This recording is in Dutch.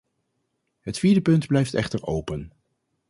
Het vierde punt blijft echter open.